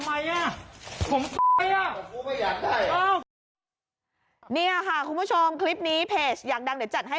ผมไม่อยากได้อ้าวเนี่ยค่ะคุณผู้ชมคลิปนี้อยากดังเดี๋ยวจัดให้